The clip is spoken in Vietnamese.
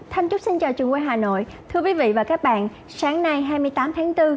thưa quý vị và các bạn sáng nay hai mươi tám tháng bốn